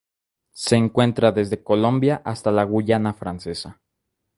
Se encuentra desde Colombia hasta la Guayana Francesa.